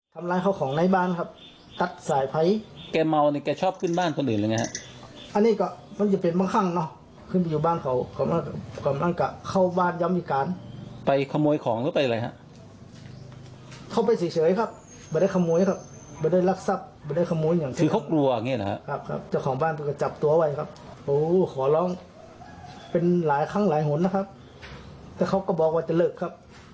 ส่วนความคืบหน้าทางคดีนะคะพันธุ์ตำรวจโทษพิพัฒน์ประพุทธโรงรองผู้กำกับการสอพอทุ่งฝ่ายก็เลยบอกว่า